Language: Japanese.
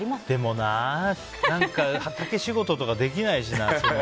でもな畑仕事とかできないしな。